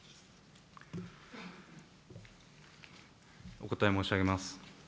お答え申し上げます。